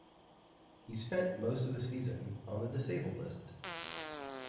He spent most of the season on the disabled list.